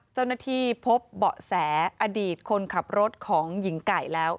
เจ้าหน้าที่พบเบาะแสอดีตคนขับรถของหญิงไก่แล้ว